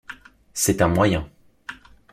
C’est un moyen.